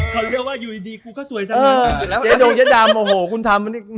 เขาเรียกว่าอยู่ดีคุณก็สวยซะเนี่ย